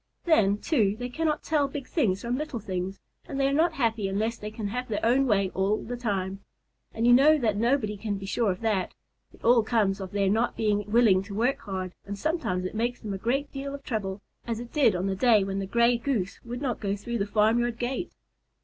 Then, too, they cannot tell big things from little things, and they are not happy unless they can have their own way all the time. And you know that nobody can be sure of that. It all comes of their not being willing to think hard, and sometimes it makes them a great deal of trouble, as it did on the day when the Gray Goose would not go through the farmyard gate.